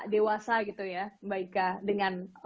dewasa gitu ya baiknya dengan